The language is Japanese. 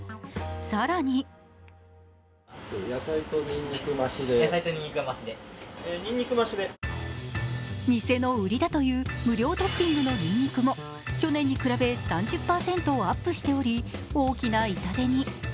更に店の売りだという無料トッピングのにんにくも去年に比べ３０％アップしており、大きな痛手に。